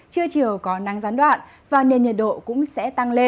trưa chiều có nắng gián đoạn và nền nhiệt độ cũng sẽ tăng lên